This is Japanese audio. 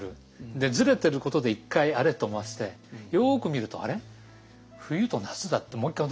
でずれてることで一回「あれ？」と思わせてよく見ると「あれ？冬と夏だ」ってもう一回驚かせる。